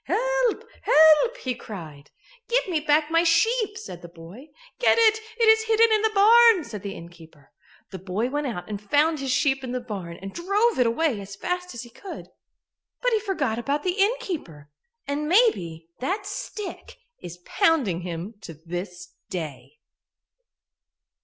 "Help! help!" he cried. "Give me back my sheep," said the boy. "Get it, it is hidden in the barn," said the innkeeper. The boy went out and found his sheep in the barn and drove it away as fast as he could, but he forgot about the innkeeper, and maybe that stick is pounding him to this day.